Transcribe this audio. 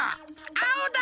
あおだ。